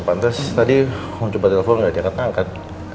pantas tadi om coba telepon gak dia akan angkat